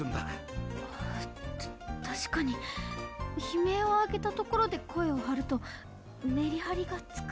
たしかに悲鳴を上げたところで声をはるとメリハリがつく。